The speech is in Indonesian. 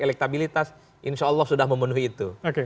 elektabilitas insya allah sudah memenuhi itu